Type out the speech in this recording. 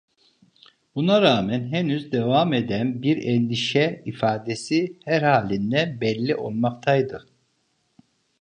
Buna rağmen henüz devam eden bir endişe ifadesi her halinden belli olmaktaydı.